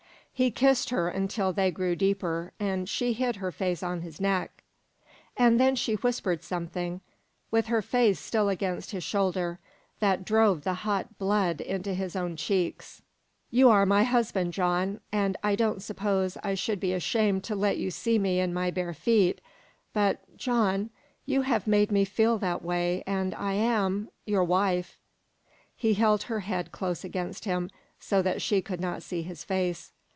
He kissed her until they grew deeper, and she hid her face on his neck. And then she whispered something, with her face still against his shoulder, that drove the hot blood into his own cheeks. "You are my husband, John, and I don't suppose I should be ashamed to let you see me in my bare feet. But, John you have made me feel that way, and I am your wife!" He held her head close against him so that she could not see his face.